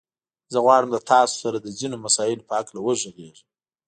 زه غواړم له تاسو سره د ځينو مسايلو په هکله وغږېږم.